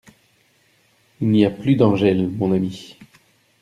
Il n’y a plus d’Angèle, mon ami !